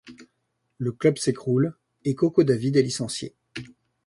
Le club s'écroule et Coco David est licencié.